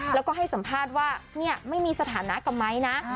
แล้วก็ให้สัมภาษณ์ว่าเนี่ยไม่มีสถานะกับไม้นะ